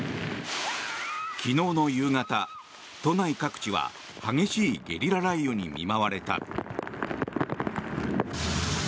昨日の夕方、都内各地は激しいゲリラ雷雨に見舞われた。